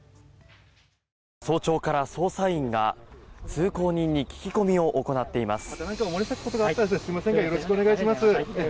早朝から捜査員が通行人に聞き込みを行っています。